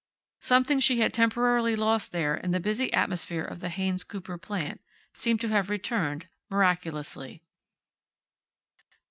Something she had temporarily lost there in the busy atmosphere of the Haynes Cooper plant, seemed to have returned, miraculously.